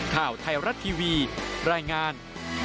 ข่าวไทยรัฐทีวีรายงาน